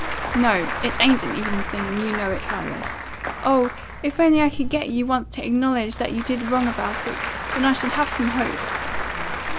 "No, it ain't an even thing, and you know it, Silas. Oh, if I could only get you once to acknowledge that you did wrong about it, then I should have some hope.